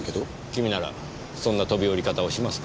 君ならそんな飛び降り方をしますか？